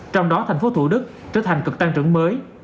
trong đó tp hcm trở thành cực tăng trưởng mới